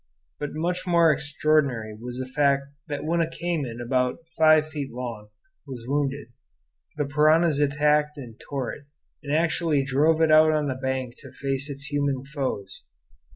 But much more extraordinary was the fact that when a cayman about five feet long was wounded the piranhas attacked and tore it, and actually drove it out on the bank to face its human foes.